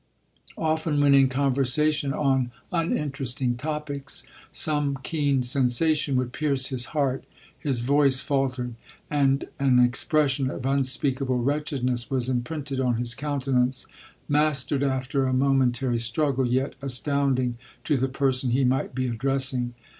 ( )ften, when in conversation on uninteresting topics, some keen sensation would pierce his heart, his voice faltered, and an expression of unspeakable wretchedness was imprinted on his countenance, mastered after a momen tary struggle, yet astounding to the person he might be addressing.